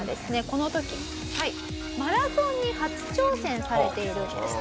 この時マラソンに初挑戦されているんです。